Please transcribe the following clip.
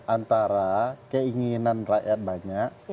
antara keinginan rakyat banyak